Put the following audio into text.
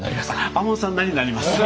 亞門さんなりになります！